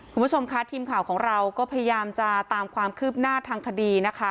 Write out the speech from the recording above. คุณผู้ชมค่ะทีมข่าวของเราก็พยายามจะตามความคืบหน้าทางคดีนะคะ